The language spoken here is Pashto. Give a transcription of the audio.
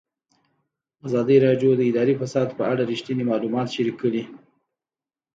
ازادي راډیو د اداري فساد په اړه رښتیني معلومات شریک کړي.